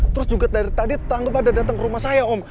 terus juga dari tadi tetangga pada datang ke rumah saya om